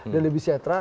dan lebih sejahtera